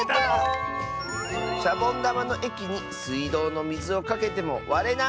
「シャボンだまのえきにすいどうのみずをかけてもわれない！」。